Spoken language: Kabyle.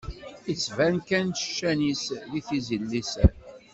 Ittban kan ccan-is di tizi n liser.